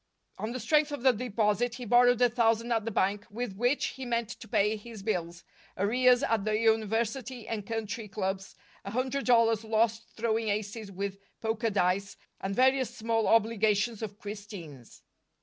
On the strength of the deposit, he borrowed a thousand at the bank with which he meant to pay his bills, arrears at the University and Country Clubs, a hundred dollars lost throwing aces with poker dice, and various small obligations of Christine's.